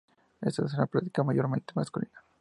Esta es una práctica mayormente masculina.